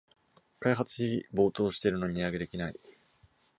開発費暴騰してるのに値上げできない